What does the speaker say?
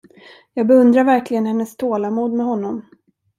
Jag beundrar verkligen hennes tålamod med honom.